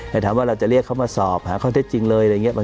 แต่ถามว่าเราจะเรียกเขามาสอบหาข้อเท็จจริงเลยอะไรอย่างนี้